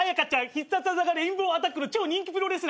必殺技がレインボーアタックの超人気プロレスラーっすわ。